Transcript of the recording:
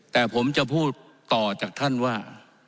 แต่ผมจะพูดต่อจากท่านว่า